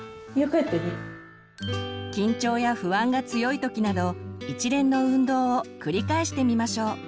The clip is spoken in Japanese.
緊張や不安が強い時など一連の運動を繰り返してみましょう。